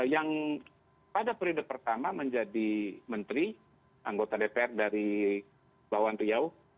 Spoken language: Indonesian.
yang pada periode pertama menjadi menteri anggota dpr dari lawan riau